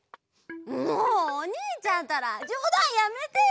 もうおにいちゃんったらじょうだんやめてよ！